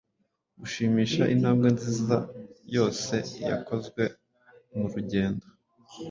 Gushimisha intambwe nziza yose yakozwe nu rugendo,